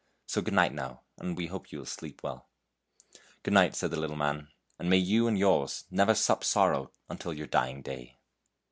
So good night, now, and we hope you will sleep well." " Good night," said the little man, " and may you and yours never sup sorrow until your dying day."